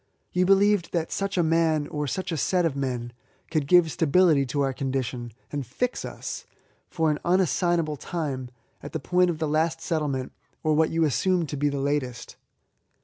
You believed that such a man, or such a set of men, could give stability to our condition, and fix us, for an unassignable time, at the point of the last settlement, or what you assumed to be the latest.